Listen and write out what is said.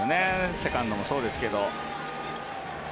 セカンドもそうですけど。